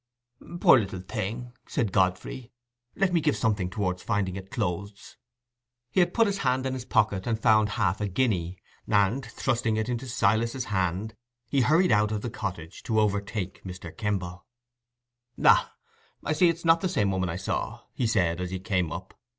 "Poor little thing!" said Godfrey. "Let me give something towards finding it clothes." He had put his hand in his pocket and found half a guinea, and, thrusting it into Silas's hand, he hurried out of the cottage to overtake Mr. Kimble. "Ah, I see it's not the same woman I saw," he said, as he came up.